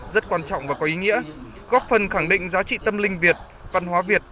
rất quan trọng và có ý nghĩa góp phần khẳng định giá trị tâm linh việt văn hóa việt